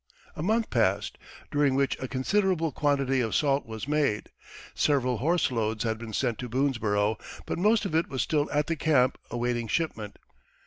A month passed, during which a considerable quantity of salt was made; several horse loads had been sent to Boonesborough, but most of it was still at the camp awaiting shipment.